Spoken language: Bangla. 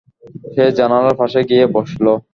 সে জানালার পাশে গিয়ে বসল।